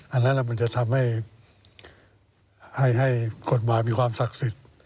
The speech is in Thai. อันนั้นมันจะทำให้กฎหมายมีความศักดิ์สิทธิ์